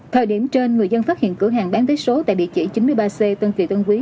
thời điểm trên người dân phát hiện cửa hàng bán vé số tại địa chỉ chín mươi ba c tân kỳ tân quý